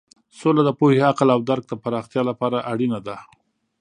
سوله د پوهې، عقل او درک پراختیا لپاره اړینه ده.